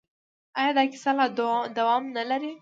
آیا دا کیسه لا دوام نلري؟